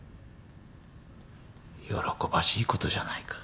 喜ばしい事じゃないか。